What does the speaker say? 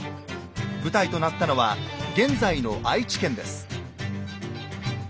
舞台となったのは現在の愛知県です。